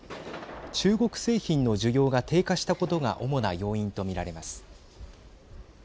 中国製品の需要が低下したことが主な要因と見られます。